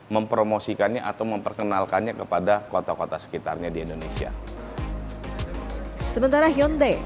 mempromosikannya atau memperkenalkannya kepada kota kota sekitarnya di indonesia sementara hyundai